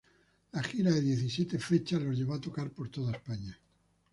La gira de diecisiete fechas los llevó a tocar por toda España.